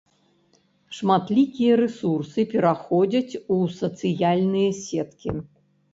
Шматлікія рэсурсы пераходзяць у сацыяльныя сеткі.